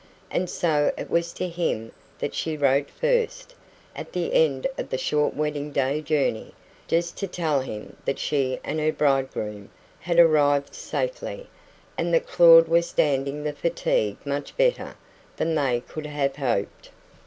And so it was to him that she wrote first, at the end of the short wedding day journey just to tell him that she and her bridegroom had arrived safely, and that Claud was standing the fatigue much better than they could have hoped.